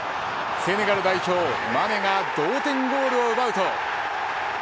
セネガル代表マネが同点ゴールを奪うと。